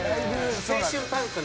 青春パンクな。